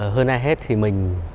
hơn ai hết thì mình